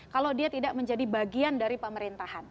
kalau dia tidak menjadi bagian dari pemerintahan